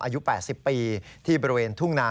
อายุ๘๐ปีที่บริเวณทุ่งนา